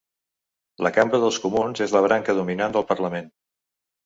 La Cambra dels Comuns és la branca dominant del Parlament.